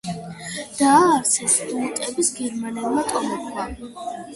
დააარსეს იუტების გერმანულმა ტომებმა.